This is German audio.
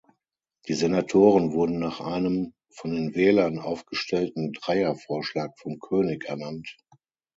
Die Senatoren wurden nach einem, von den Wählern aufgestellten, Dreiervorschlag vom König ernannt.